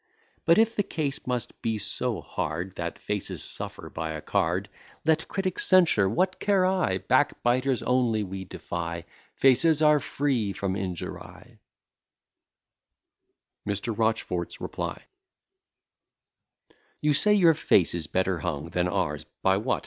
But, if the case must be so hard, That faces suffer by a card, Let critics censure, what care I? Backbiters only we defy, Faces are free from injury. MR. ROCHFORT'S REPLY You say your face is better hung Than ours by what?